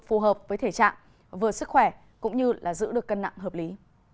phù hợp với thể trạng vừa sức khỏe cũng như là giữ được cân nặng hợp lý